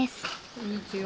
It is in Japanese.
こんにちは。